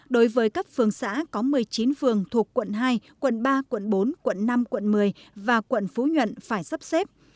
đối với cấp phường xã có một mươi chín phường thuộc quận hai quận ba quận bốn quận năm quận một mươi và quận phú nhuận phải sắp xếp